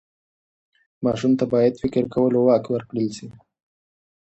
ماشوم ته باید د فکر کولو واک ورکړل سي.